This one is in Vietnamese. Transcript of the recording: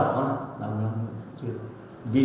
nó nằm nằm nằm